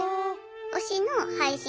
推しの配信